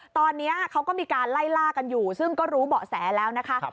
ตอนนี้เขาก็มีการไล่ล่ากันอยู่ซึ่งก็รู้เบาะแสแล้วนะคะ